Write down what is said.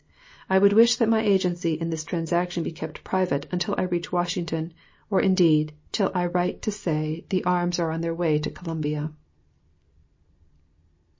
I would wish that my agency in this transaction be kept private until I reach Washington, or indeed till I write to say the arms are on their way to Columbia....